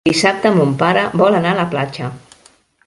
Dissabte mon pare vol anar a la platja.